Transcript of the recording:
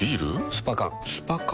スパ缶スパ缶？